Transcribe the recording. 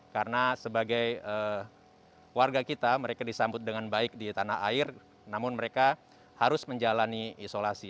karena sebagai warga kita mereka disambut dengan baik di tanah air namun mereka harus menjalani isolasi